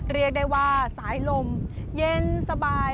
เรียกได้ว่าสายลมเย็นสบาย